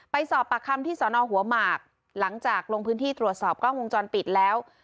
ไปสอบปากคำที่สอนอหัวหมากหลังจากลงพื้นที่ตรวจสอบกล้องวงจรปิดแล้ว